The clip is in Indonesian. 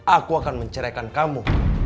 aku akan menceraikan kamu